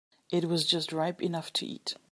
It was just ripe enough to eat.